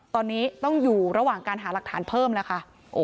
ตอนนี้ต้องอยู่ระหว่างการหาหลักฐานเพิ่มแล้วค่ะ